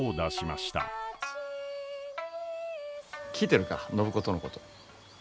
聞いてるか暢子とのこと。